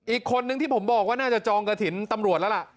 อีกคนนึงที่ผมบอกว่าน่าจะจองกระถิ่นตำรวจแล้วล่ะ